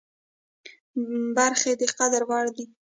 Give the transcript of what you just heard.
برخې د قدر وړ دي.